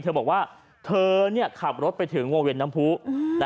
เธอบอกว่าเธอขับรถไปถึงวงเวียนน้ำผู้